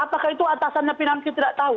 apakah itu atasannya pinangki tidak tahu